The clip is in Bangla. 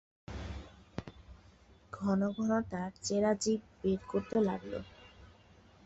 ঘন-ঘন তার চেরা জিব বের করতে লাগল।